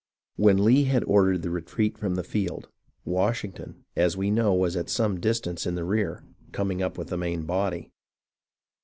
When Lee had ordered the retreat from the field, Wash ington, as we know, was at some distance in the rear, coming up with the main body.